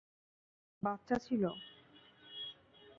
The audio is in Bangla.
এখানে একটা বাচ্চা ছিল।